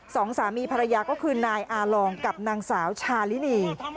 สองสามีภรรยาก็คือนายอาลองกับนางสาวชาลินี